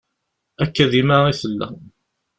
Akka dima i tella.